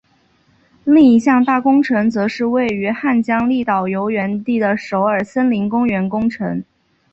另一项大工程则是位于汉江纛岛游园地的首尔森林公园工程。